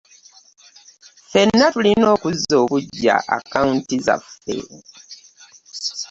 Ffenna tulina okuzza obujja akawunti zaffe.